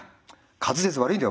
滑舌悪いんだよ